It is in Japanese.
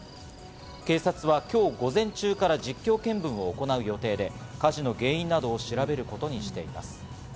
警察は今日、午前中から実況見分を行う予定で、火事の原因などを調べることにしています。